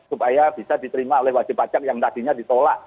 supaya bisa diterima oleh wajib pajak yang tadinya ditolak